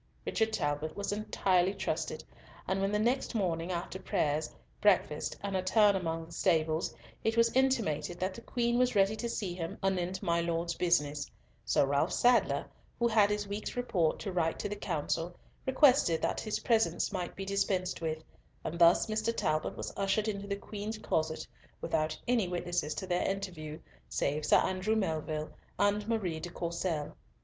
Richard Talbot was entirely trusted, and when the next morning after prayers, breakfast, and a turn among the stables, it was intimated that the Queen was ready to see him anent my Lord's business, Sir Ralf Sadler, who had his week's report to write to the Council, requested that his presence might be dispensed with, and thus Mr. Talbot was ushered into the Queen's closet without any witnesses to their interview save Sir Andrew Melville and Marie de Courcelles.